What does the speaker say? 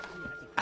あ？